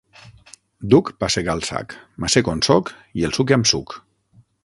Duc pa sec al sac, m’assec on sóc, i el suque amb suc.